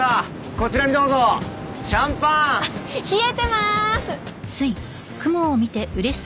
こちらにどうぞシャンパーン冷えてまーす！